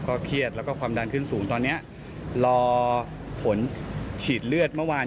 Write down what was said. เครียดแล้วก็ความดันขึ้นสูงตอนนี้รอผลฉีดเลือดเมื่อวาน